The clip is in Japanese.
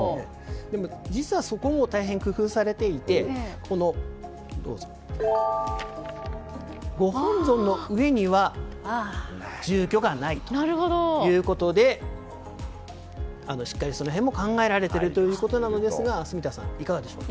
実はそこも大変工夫されていてご本尊の上には住居がないということでしっかり、その辺も考えられているということで住田さん、いかがでしょう？